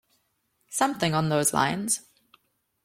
Something on those lines.